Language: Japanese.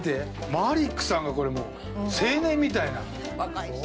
マリックさんが、これ、もう青年みたいな。